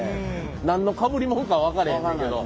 何のかぶりもんか分からへんねんけど。